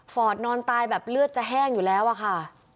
อดนอนตายแบบเลือดจะแห้งอยู่แล้วอะค่ะ